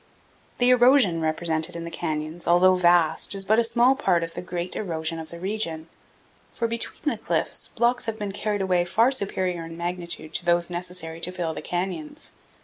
The erosion represented in the canyons, although vast, is but a small part of the great erosion of the region, for between the cliffs blocks have been carried away far superior in magnitude to those necessary to fill the canyons.